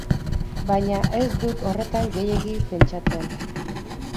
Baina ez dut horretan gehiegi pentsatzen.